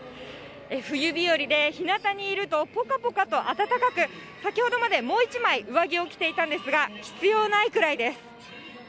冬日和で、日なたにいるとぽかぽかと暖かく、先ほどまでもう１枚上着を着ていたんですが、必要ないぐらいです。